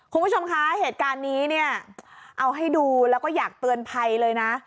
คุณผู้ชมคะเหตุการณ์นี้เนี่ยเอาให้ดูแล้วก็อยากเตือนภัยเลยนะ